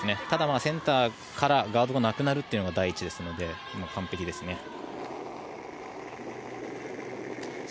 ただ、センターからガードがなくなるのが大事ですので完璧ですね。